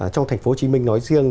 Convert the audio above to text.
trong tp hcm nói riêng